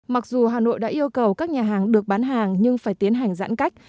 mặc dù hà nội đã yêu cầu các nhà hàng được bán hàng nhưng phải tiến hành giãn cách